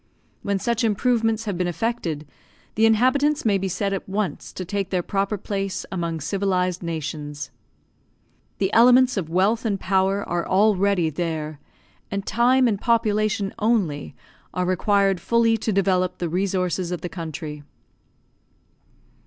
When such improvements have been effected, the inhabitants may be said at once to take their proper place among civilised nations. The elements of wealth and power are already there, and time and population only are required fully to develope the resources of the country.